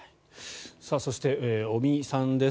そして、尾身さんです。